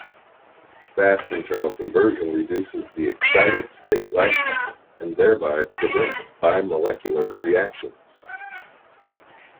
Fast internal conversion reduces the excited state lifetime, and thereby prevents bimolecular reactions.